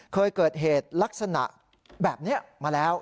เคยเกิดเหตุลักษณะแบบนี้มาแล้ว